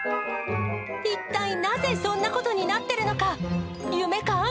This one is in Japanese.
一体なぜ、そんなことになってるのか、夢か？